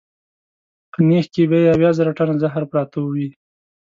په نېښ کې به یې اویا زره ټنه زهر پراته وي.